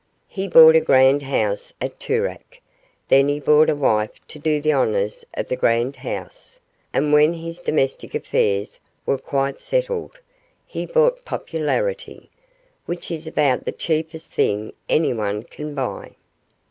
He bought a grand house at Toorak, then he bought a wife to do the honours of the grand house, and when his domestic affairs were quite settled, he bought popularity, which is about the cheapest thing anyone can buy.